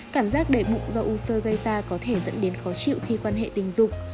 cảm giác để bụng do u sơ gây ra có thể dẫn đến khó chịu khi quan hệ tình dục